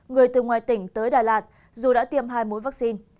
người từ ngoài tỉnh tới đà lạt dù đã tiêm hai mũi vaccine